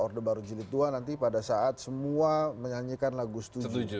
orde baru jilid dua nanti pada saat semua menyanyikan lagu setuju